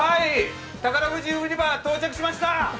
宝くじ売り場到着しました！